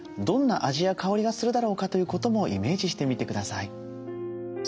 どんな味や香りがするだろうかということもイメージしてみて下さい。